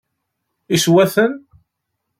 Yeswa-ten?